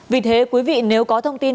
vì thế quý vị nếu có thông tin